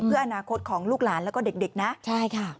เพื่ออนาคตของลูกหลานแล้วก็เด็กนะใช่ค่ะ